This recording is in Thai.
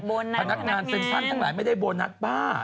พนักงานเซ็นชั่นทั้งหลายไม่ได้โบนัสบ้า